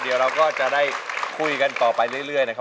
เดี๋ยวเราก็จะได้คุยกันต่อไปเรื่อยนะครับ